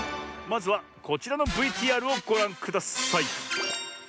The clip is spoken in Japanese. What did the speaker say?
まずはこちらのＶＴＲをごらんください。